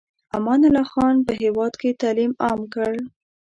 امان الله خان په هېواد کې تعلیم عام کړ.